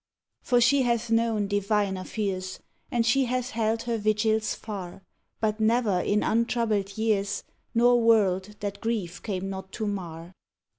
For she hath known diviner fears, And she hath held her vigils far; But never in untroubled years, Nor world that grief came not to mar.